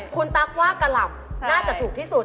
คุณตั๊กว่ากะหล่ำน่าจะถูกที่สุด